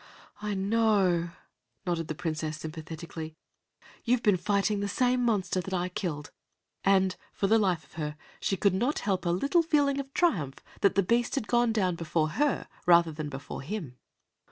"I know," nodded the Princess sympathetically. "You've been fighting that same monster that I killed." And for the life of her, she could not help a little feeling of triumph that the beast had gone down before her rather than before him.